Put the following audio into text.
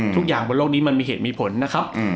ทุกอย่างบนโลกนี้มันมีเหตุมีผลนะครับ